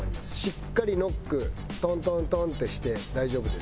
しっかりノックトントントンってして大丈夫です。